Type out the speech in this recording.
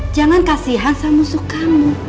jangan kasihan sama musuh kamu